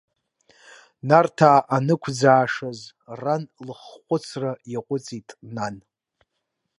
Нарҭаа анықәӡаашаз, ран лыххәыцра иаҟәыҵит, нан.